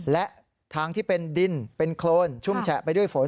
และทางที่เป็นดินเป็นโครนชุ่มแฉะไปด้วยฝน